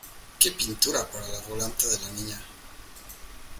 ¡ qué pintura para la volanta de la Niña!